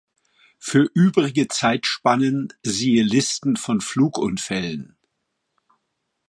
Für übrige Zeitspannen siehe Listen von Flugunfällen.